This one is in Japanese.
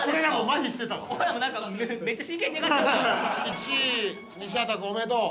１位西畑くんおめでとう。